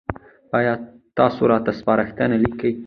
ایا تاسو راته سپارښتنه لیکئ؟